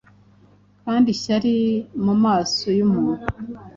Kandi Ishyari mumaso yumuntu